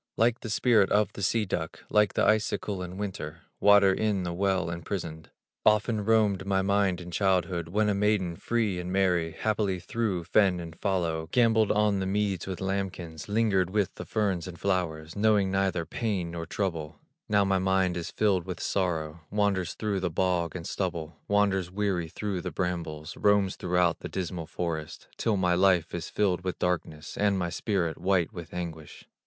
Like the spirit of the sea duck, Like the icicle in winter, Water in the well imprisoned. Often roamed my mind in childhood, When a maiden free and merry, Happily through fen and fallow, Gamboled on the meads with lambkins, Lingered with the ferns and flowers, Knowing neither pain nor trouble; Now my mind is filled with sorrow, Wanders though the bog and stubble, Wanders weary through the brambles, Roams throughout the dismal forest, Till my life is filled with darkness, And my spirit white with anguish.